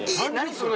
それ。